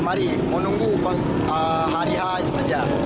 mari menunggu hari hari saja